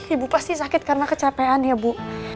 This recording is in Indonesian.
ibu pasti sakit karena kecapean ya bu